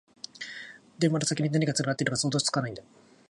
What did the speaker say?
電線の先に何がつながっているのか想像つかないんだよ